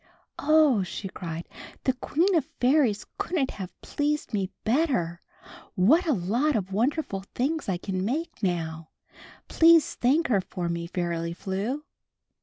"Oh," she cried, "the Queen of Fairies couldn't have pleased me better! What a lot of wonderful things I can make now. Please thank her for me, Fairly Flew."